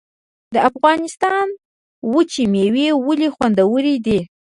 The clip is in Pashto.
د افغانستان وچې میوې ولې خوندورې دي؟